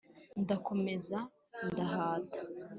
ndakomeza ndahata